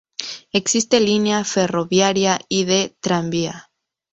Existe línea ferroviaria y de tranvía.